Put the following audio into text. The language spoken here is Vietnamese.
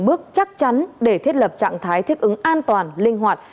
bước chắc chắn để thiết lập trạng thái thích ứng an toàn linh hoạt